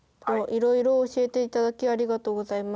いろいろ教えていただきありがとうございます。